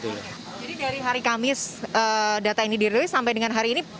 jadi dari hari kamis data ini dirilis sampai dengan hari ini